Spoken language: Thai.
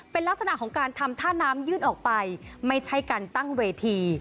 เป็นลักษณะของการทำท่าน้ำยื่นออกไปไม่ใช่การตั้งเวที